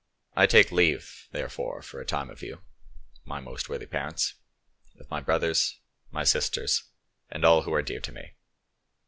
"I take leave, therefore, for a time of you, my most worthy parents, of my brothers, my sisters, and all who are dear to me.